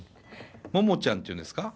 モモちゃんって言うんですか？